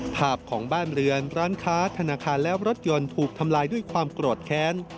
ภาพของบ้านเรือนร้านค้าธนาคารและรถยนต์ถูกทำลายด้วยความโกรธแค้น